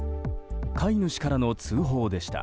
飼い主からの通報でした。